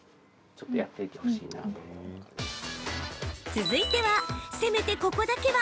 続いてはせめてここだけは！